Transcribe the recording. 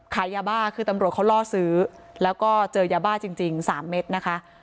ขายยาบ้าคือตำรวจเขาล่อซื้อแล้วก็เจอยาบ้าจริง๓เม็ดนะคะ